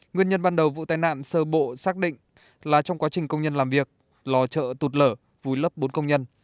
nguyên nhân ban đầu vụ tai nạn sơ bộ xác định là trong quá trình công nhân làm việc lò chợ tụt lở vùi lấp bốn công nhân